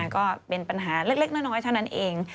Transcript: ก็เป็นปัญหาเล็กน้อยเท่านั้นเอง